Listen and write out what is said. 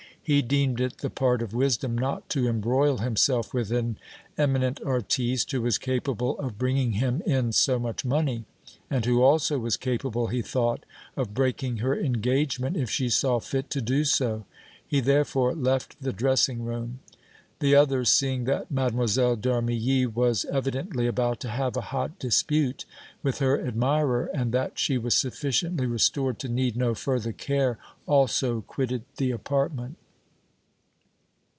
He deemed it the part of wisdom not to embroil himself with an eminent artiste who was capable of bringing him in so much money, and who also was capable, he thought, of breaking her engagement if she saw fit to do so. He, therefore, left the dressing room. The others, seeing that Mlle. d' Armilly was evidently about to have a hot dispute with her admirer and that she was sufficiently restored to need no further care, also quitted the apartment.